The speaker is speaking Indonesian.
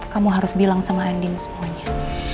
kamu harus bilang sama andi ini semuanya